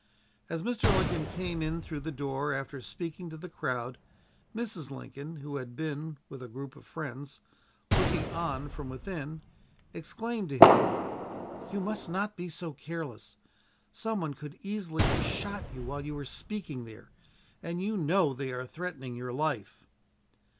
As Mr. Lincoln came in through the door after speaking to the crowd, Mrs. Lincoln who had been, with a group of friends, looking on from within exclaimed to him: "You must not be so careless. Some one could easily have shot you while you were speaking there and you know they are threatening your life!"